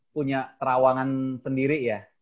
punya terawangan sendiri ya